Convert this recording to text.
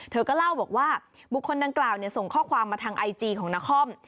เธอก็เล่าบอกว่าบุคคลดังกล่าวส่งข้อความมาทางไอจีของนคร